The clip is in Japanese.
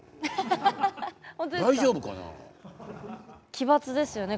奇抜ですよね